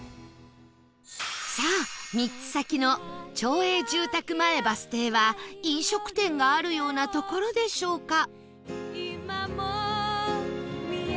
さあ３つ先の町営住宅前バス停は飲食店があるような所でしょうか？